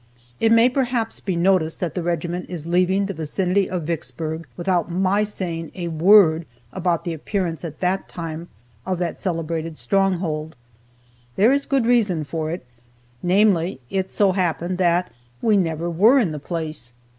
It may, perhaps, be noticed that the regiment is leaving the vicinity of Vicksburg without my saying a word about the appearance, at that time, of that celebrated stronghold. There is good reason for it; namely, it so happened that we never were in the place.